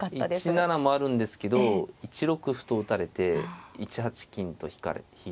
１七もあるんですけど１六歩と打たれて１八金と引いて。